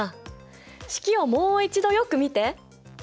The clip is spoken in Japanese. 式をもう一度よく見て！